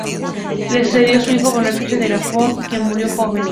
Le sucedido su hijo Bonifacio I de Saboya, que murió joven.